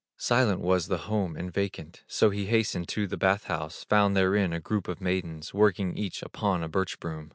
Silent was the home, and vacant; So he hastened to the bath house, Found therein a group of maidens, Working each upon a birch broom.